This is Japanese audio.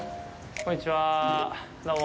こんにちは。